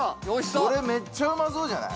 これめっちゃうまそうじゃない？